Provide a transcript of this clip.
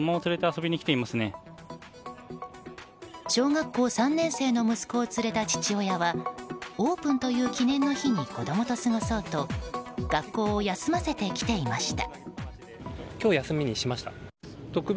小学校３年生の息子を連れた父親はオープンという記念の日に子供と過ごそうと学校を休ませて来ていました。